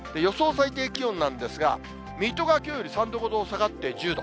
最低気温なんですが、水戸がきょうより３度ほど下がって１０度。